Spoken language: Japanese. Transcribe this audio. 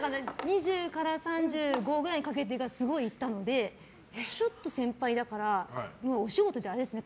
２５から３５ぐらいにかけてすごい行ったのでちょっと先輩だからお仕事であれですね。